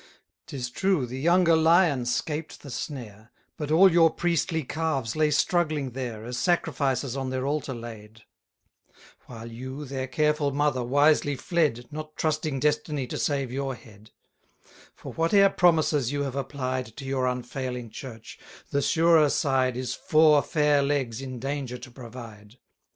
'Tis true, the younger Lion 'scaped the snare, But all your priestly Calves lay struggling there, As sacrifices on their altar laid; While you, their careful mother, wisely fled, 10 Not trusting destiny to save your head; For, whate'er promises you have applied To your unfailing Church, the surer side Is four fair legs in danger to provide.